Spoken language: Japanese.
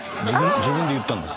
自分で言ったんです。